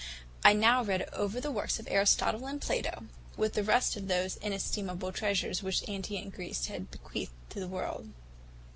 I now read over the works of Aristotle and Plato, with the rest of those inestimable treasures which antient Greece had bequeathed to the world.